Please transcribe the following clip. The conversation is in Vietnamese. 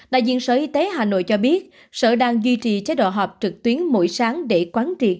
đại diện sở y tế hà nội cho biết sở đang duy trì chế độ họp trực tuyến mỗi sáng để quán triệt